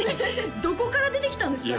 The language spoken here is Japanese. どこから出てきたんですかね